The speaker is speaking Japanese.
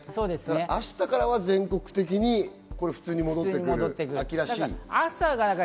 明日からは全国的に、普通に戻って秋らしい。